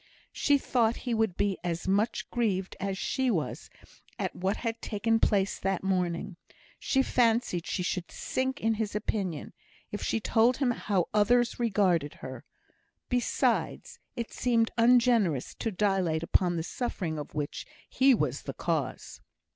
She thought he would be as much grieved as she was at what had taken place that morning; she fancied she should sink in his opinion if she told him how others regarded her; besides, it seemed ungenerous to dilate upon the suffering of which he was the cause.